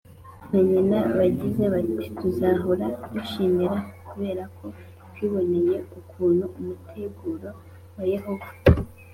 na nyina bagize bati tuzahora dushimira kubera ko twiboneye ukuntu umuteguro wa Yehova